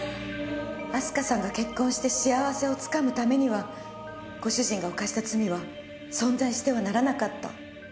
明日香さんが結婚して幸せを掴むためにはご主人が犯した罪は存在してはならなかった。